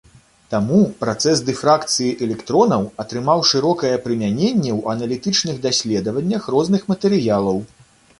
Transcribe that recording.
Таму працэс дыфракцыі электронаў атрымаў шырокае прымяненне ў аналітычных даследаваннях розных матэрыялаў.